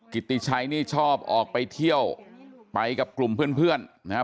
กิติชัยนี่ชอบออกไปเที่ยวไปกับกลุ่มเพื่อนเพื่อนนะฮะ